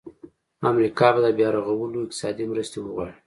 امریکا به د بیا رغولو اقتصادي مرستې وغواړي.